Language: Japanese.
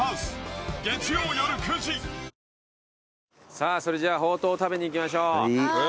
さあそれじゃほうとうを食べに行きましょう。